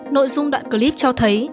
nội dung đoạn clip cho thấy